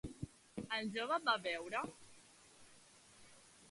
El jove va beure?